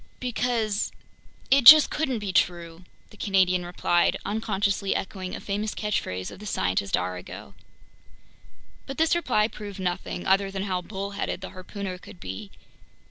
"Because ... it just couldn't be true!" the Canadian replied, unconsciously echoing a famous catchphrase of the scientist Arago. But this reply proved nothing, other than how bullheaded the harpooner could be.